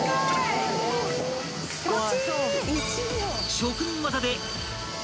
［職人技で］